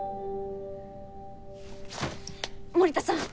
森田さん。